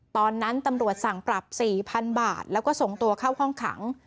ตอนนั้นตำรวจสั่งปรับ๔๐๐๐บาทแล้วก็ส่งตัวเข้าห้องขัง